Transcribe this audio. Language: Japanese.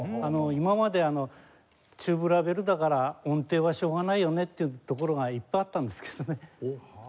今までチューブラーベルだから音程はしょうがないよねっていうところがいっぱいあったんですけどね。